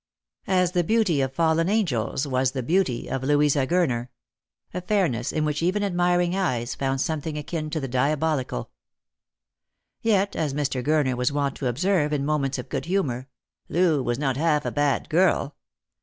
As the beauty of fallen angels was the beauty of Louisa Gurner ; a fairness in which even admiring eyes found something akin to the diabolical. Yet, as Mr. Gurner was wont to observe in moments of good humour, " Loo was not half a bad girl."